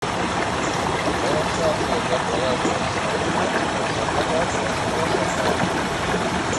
Relaksācija darba laikā ir svarīga, lai saglabātu veselo saprātu.